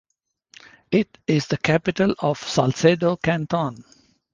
It is the capital of Salcedo Canton.